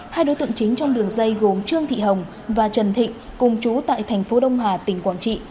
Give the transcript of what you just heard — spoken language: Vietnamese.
hai đối tượng chính trong đường dây gồm trương thị hồng và trần thịnh cùng chú tại thành phố đông hà tỉnh quảng trị